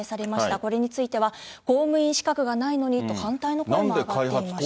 これについては公務員資格がないのにと反対の声も上がっていまし